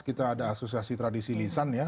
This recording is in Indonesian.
kita ada asosiasi tradisi lisan ya